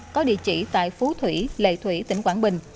có địa chỉ tại phú thủy lệ thủy tỉnh quảng bình